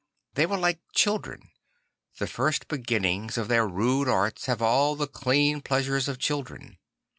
They were like children; the first beginnings of their rude arts have all the clean pleasure of children.